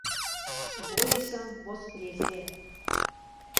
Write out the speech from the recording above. «Войысым воскресе!»